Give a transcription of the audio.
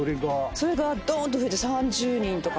それがドーンと増えて３０人とか。